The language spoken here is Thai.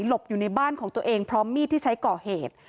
อยู่ในบ้านของตัวเองพร้อมมีดที่ใช้ก่อเหตุ